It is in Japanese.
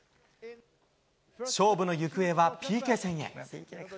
勝負の行方はＰＫ戦へ。